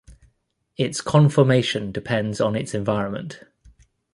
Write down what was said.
Its conformation depends on its environment.